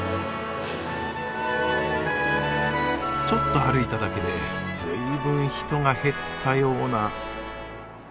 ちょっと歩いただけで随分人が減ったような。